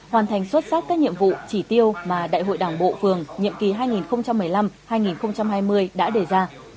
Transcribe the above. hoàn thành xuất sắc các nhiệm vụ chỉ tiêu mà đại hội đảng bộ phường nhiệm kỳ hai nghìn một mươi năm hai nghìn hai mươi đã đề ra